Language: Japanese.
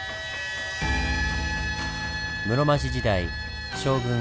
室町時代将軍